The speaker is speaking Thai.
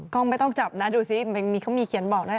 กล้องไม่ต้องจับนะดูสิเขามีเขียนบอกนะ